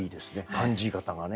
感じ方がね。